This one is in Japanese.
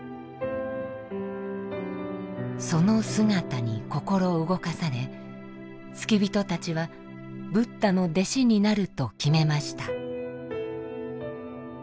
その姿に心動かされ付き人たちはブッダの弟子になると決めました。